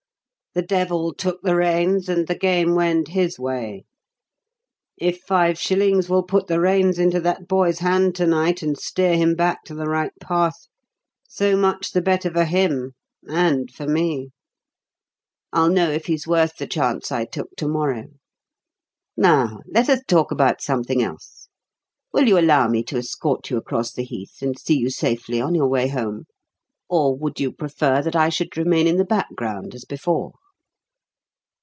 The Devil took the reins and the game went his way. If five shillings will put the reins into that boy's hands to night and steer him back to the right path, so much the better for him and for me. I'll know if he's worth the chance I took to morrow. Now let us talk about something else. Will you allow me to escort you across the heath and see you safely on your way home? Or would you prefer that I should remain in the background as before?"